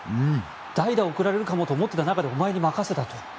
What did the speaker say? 代打を送られるかもと思っていた中でお前に任せたと。